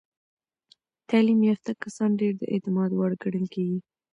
تعلیم یافته کسان ډیر د اعتماد وړ ګڼل کېږي.